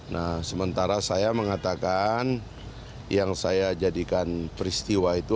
nah sementara saya mengatakan yang saya jadikan peristiwa itu